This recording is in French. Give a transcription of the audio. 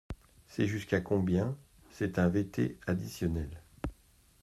C’est jusqu’à combien ? C’est un VT additionnel.